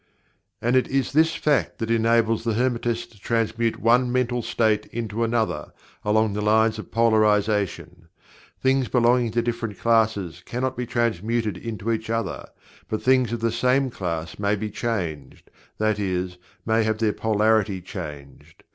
And it is this fact that enables the Hermetist to transmute one mental state into another, along the lines of Polarization. Things belonging to different classes cannot be transmuted into each other, but things of the same class may be changed, that is, may have their polarity changed.